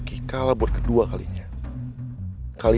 ya udah mana anaknya rush